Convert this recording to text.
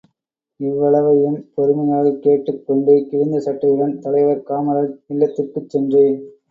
இவ்வளவையும் பொறுமையாகக் கேட்டுக் கொண்டு கிழிந்த சட்டையுடன் தலைவர் காமராஜ் இல்லத்திற்குச் சென்றேன்.